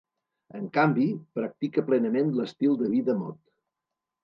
En canvi, practica plenament l'estil de vida mod.